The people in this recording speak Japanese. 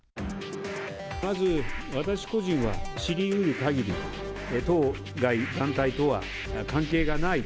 まず、私個人は知りうるかぎり、当該団体とは関係がない。